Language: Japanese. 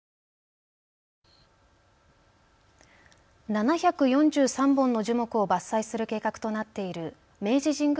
７４３本の樹木を伐採する計画となっている明治神宮